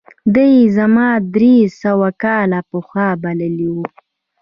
ده یې زمانه درې سوه کاله پخوا بللې وه.